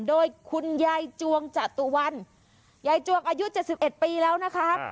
โดยคุณยายจวงจตุวันยายจวงอายุ๗๑ปีแล้วนะคะ